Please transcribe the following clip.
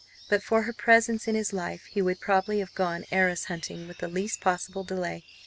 But for her presence in his life he would probably have gone heiress hunting with the least possible delay.